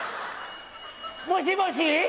☎もしもし？